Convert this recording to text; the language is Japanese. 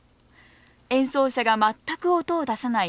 演奏者が全く音を出さない